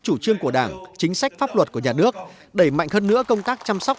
chủ trương của đảng chính sách pháp luật của nhà nước đẩy mạnh hơn nữa công tác chăm sóc